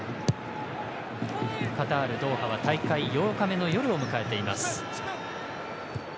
カタール・ドーハは大会８日目の夜を迎えています。